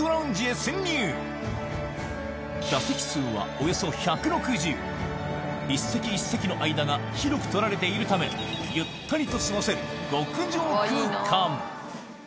いよいよ１席１席の間が広く取られているためゆったりと過ごせる極上空間